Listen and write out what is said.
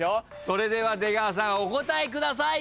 それでは出川さんお答えください！